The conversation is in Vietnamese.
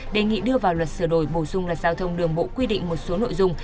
đề nghị đưa vào luật sửa đổi bổ sung luật giao thông đường bộ quy định một số nội dung